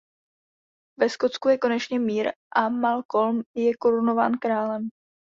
Ve Skotsku je konečně mír a Malcolm je korunován králem.